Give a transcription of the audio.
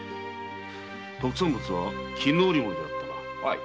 特産物は絹織物だったな？